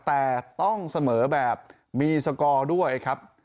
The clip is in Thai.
แต่ต้องเสมอแบบมีสกอร์ด้วยครับ